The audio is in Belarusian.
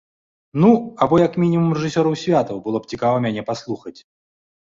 Ну, або як мінімум рэжысёрам святаў было б цікава мяне паслухаць!